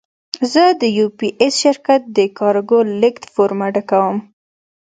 زه د یو پي ایس شرکت د کارګو لېږد فورمه ډکوم.